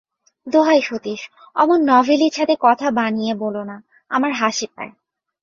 দোহাই সতীশ, অমন নভেলি ছাঁদে কথা বানিয়ে বলো না, আমার হাসি পায়।